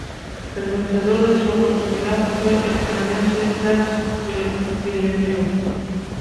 El vencedor de esa oportunidad fue el canadiense Jacques Villeneuve.